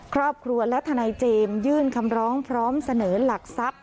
ครอบครัวและทนายเจมส์ยื่นคำร้องพร้อมเสนอหลักทรัพย์